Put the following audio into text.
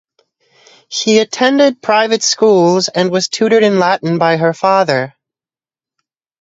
She attended private schools and was tutored in Latin by her father.